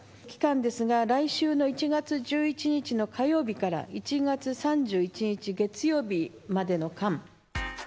期間ですが、来週の１月１１日の火曜日から１月３１日月曜日までの間。